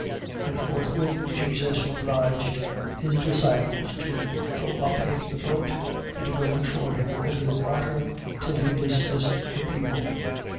14:22. And forthwith Jesus obliged his disciples to go up into the boat, and to go before him over the water, till he dismissed the people.